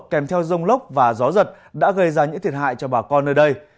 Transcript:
kèm theo rông lốc và gió giật đã gây ra những thiệt hại cho bà con nơi đây